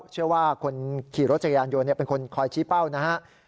เชื่อว่าคนขี่รถจักรยานยนต์เป็นคนคอยชี้เป้านะครับ